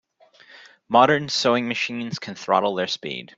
Modern sewing machines can throttle their speed.